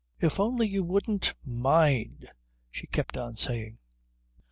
"If only you wouldn't mind " she kept on saying.